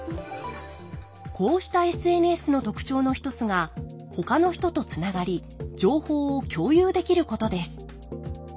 こうしたＳＮＳの特徴の一つがほかの人とつながり情報を共有できることです。